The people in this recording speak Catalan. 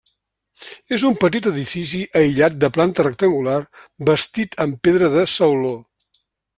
És un petit edifici aïllat de planta rectangular bastit amb pedra de sauló.